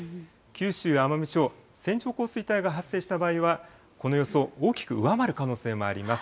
九州・奄美地方、線状降水帯が発生した場合は、この予想を大きく上回る可能性もあります。